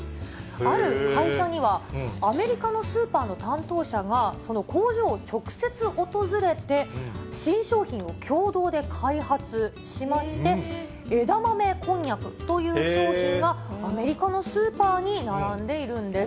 ある会社には、アメリカのスーパーの担当者が、その工場を直接訪れて、新商品を共同で開発しまして、枝豆こんにゃくという商品がアメリカのスーパーに並んでいるんです。